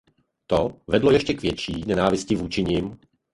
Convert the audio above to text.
To vedlo jen k ještě větší nenávisti vůči nim.